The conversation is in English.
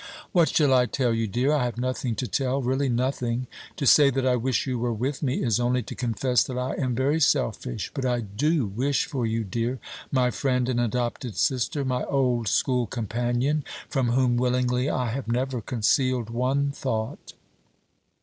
What shall I tell you, dear? I have nothing to tell, really nothing. To say that I wish you were with me is only to confess that I am very selfish; but I do wish for you, dear my friend and adopted sister, my old school companion, from whom, willingly, I have never concealed one thought.